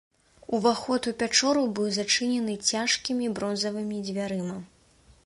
Уваход у пячору быў зачынены цяжкімі бронзавымі дзвярыма.